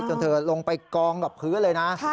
เธอลงไปกองกับพื้นเลยนะ